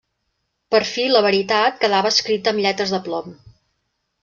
Per fi la veritat quedava escrita amb lletres de plom.